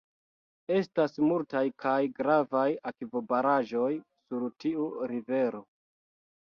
Estas multaj kaj gravaj akvobaraĵoj sur tiu rivero.